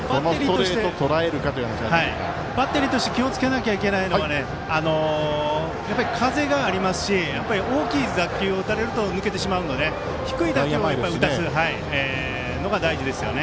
バッテリーとして気をつけないといけないのはやっぱり風がありますしやっぱり大きい打球を打たれると抜けてしまうので低い打球を打たせるのが大事ですよね。